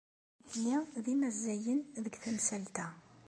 Nitni d imazzayen deg temsalt-a.